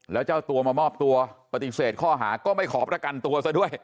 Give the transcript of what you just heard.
แล้วเจ้าตัวมามอบตัวปฏิเสธข้อหาก็ไม่ขอประกันตัวซะด้วย